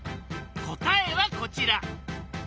答えはこちら。